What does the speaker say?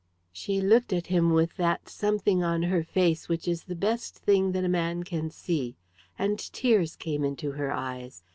She looked at him with that something on her face which is the best thing that a man can see. And tears came into her eyes.